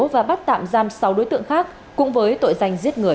và bắt tạm giam sáu đối tượng khác cũng với tội danh giết người